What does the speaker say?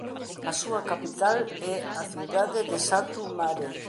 A súa capital é a cidade de Satu Mare.